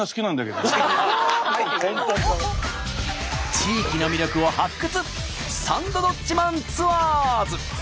地域の魅力を発掘！